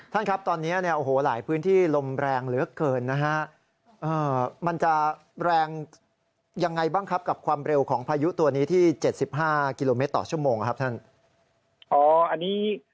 ท่านครับตอนนี้เนี่ยโอ้โหหลายพื้นที่ลมแรงเหลือเกินนะฮะมันจะแรงยังไงบ้างครับกับความเร็วของพายุตัวนี้ที่๗๕กิโลเมตรต่อชั่วโมงครับท่าน